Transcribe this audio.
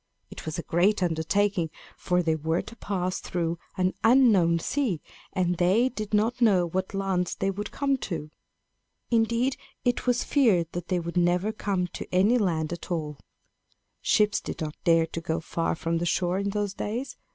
It was a great undertaking; for they were to pass through an unknown sea, and they did not know what lands they would come to. Indeed, it was feared that they would never come to any land at all. Ships did not dare to go far from the shore in those days.